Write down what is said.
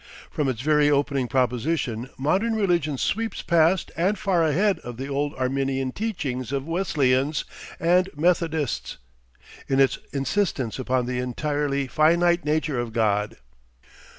From its very opening proposition modern religion sweeps past and far ahead of the old Arminian teachings of Wesleyans and Methodists, in its insistence upon the entirely finite nature of God.